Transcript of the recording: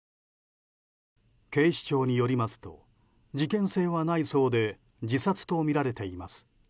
警視庁によりますと事件性はないそうで自殺とみられています。